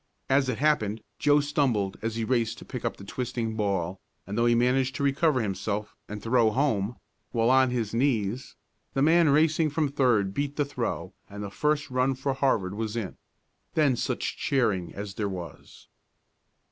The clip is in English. As it happened, Joe stumbled as he raced to pick up the twisting ball, and though he managed to recover himself, and throw home, while on his knees, the man racing from third beat the throw and the first run for Harvard was in. Then such cheering as there was!